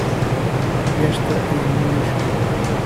Esta é a minha escolha